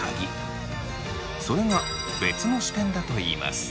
それが「別の視点」だといいます。